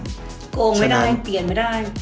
โกงไม่ได้เปลี่ยนไม่ได้